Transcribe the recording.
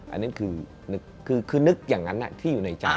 อันนั้นคือนึกอย่างนั้นที่อยู่ในใจ